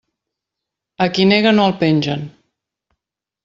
A qui nega no el pengen.